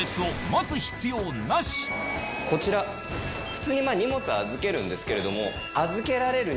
こちら普通に荷物預けるんですけれども。